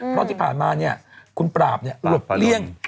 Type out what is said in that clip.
เพราะที่ผ่านมาเนี่ยคุณปราบเนี่ยหลบเลี่ยง